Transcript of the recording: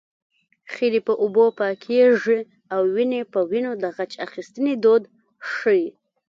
خیرې په اوبو پاکېږي او وينې په وينو د غچ اخیستنې دود ښيي